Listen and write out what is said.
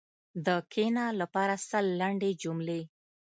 د “کښېنه” لپاره سل لنډې جملې: